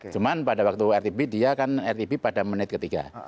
cuma pada waktu rtb dia kan rtb pada menit ketiga